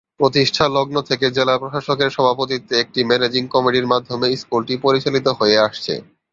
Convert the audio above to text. প্রতিষ্ঠা লগ্ন থেকে জেলা প্রশাসকের সভাপতিত্বে একটি ম্যানেজিং কমিটির মাধ্যমে স্কুলটি পরিচালিত হয়ে আসছে।